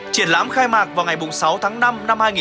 triển lãm khai mạc vào ngày sáu tháng năm năm hai nghìn hai mươi